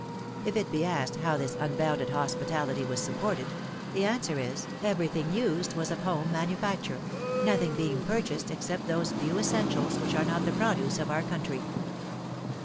If it be asked how this unbounded hospitality was supported the answer is, every thing used was of home manufacture; nothing being purchased except those few essentials which are not the produce of our country.